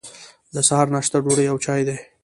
د سهار ناشته ډوډۍ او چای دی.